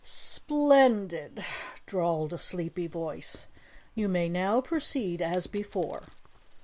"Splen did!" drawled a sleepy voice. "You may now proceed as before."